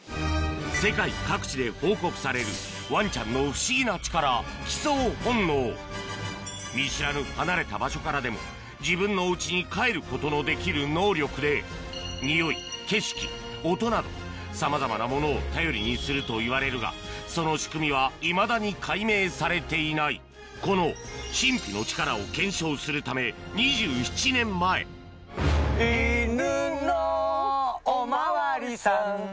世界各地で報告されるワンちゃんの不思議な力見知らぬ離れた場所からでも自分のおウチに帰ることのできる能力でニオイ景色音などさまざまなものを頼りにするといわれるがその仕組みはこの神秘の力を検証するため２７年前いぬのおまわりさん